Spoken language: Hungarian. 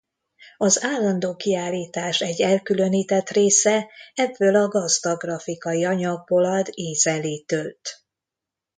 Az állandó kiállítás egy elkülönített része ebből a gazdag grafikai anyagból ad ízelítőt.